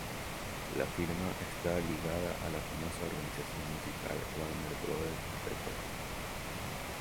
La firma está ligada a la famosa organización musical Warner Brothers Records.